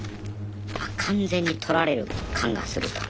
あ完全に取られる感がすると。